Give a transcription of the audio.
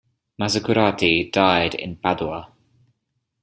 Mazzacurati died in Padua.